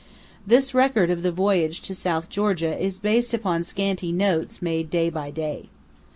This record of the voyage to South Georgia is based upon scanty notes made day by day.